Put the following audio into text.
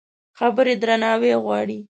خبرې درناوی غواړي.